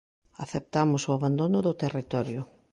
Aceptamos o abandono do territorio.